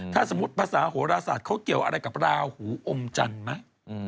ถ้าสมมุติภาษาโหรศาสตร์เขาเกี่ยวอะไรกับราหูอมจันทร์ไหม